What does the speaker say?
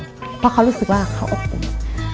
เพราะเขารู้สึกว่าเขาอบอุ่น